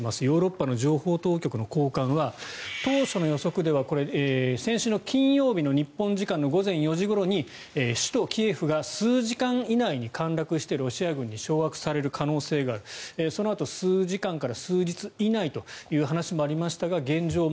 ヨーロッパの情報当局の高官は当初の予測では先週の金曜日の日本時間午前４時ごろに首都キエフが数時間以内に陥落してロシア軍に掌握される可能性があるそのあと数時間から数日以内という話もありましたが現状